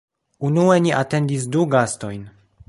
Unue ni atendis du gastojn